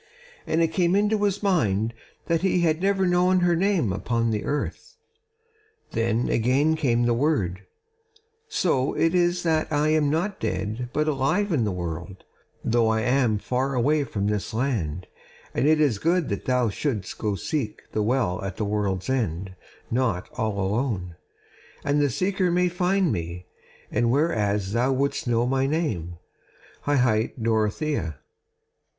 And it came into his mind that he had never known her name upon the earth. Then again came the word: "So it is that I am not dead but alive in the world, though I am far away from this land; and it is good that thou shouldst go seek the Well at the World's End not all alone: and the seeker may find me: and whereas thou wouldst know my name, I hight Dorothea."